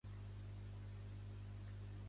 Pertany al moviment independentista el Domènec?